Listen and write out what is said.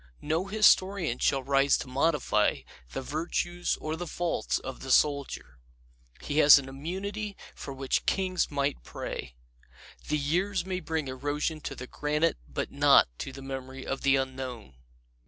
No historian shall rise to modify the virtues or the faults of the Soldier. He has an immunity for which kings' might pray. The years may bring erosion to the granite but not to the memory of the Unknown.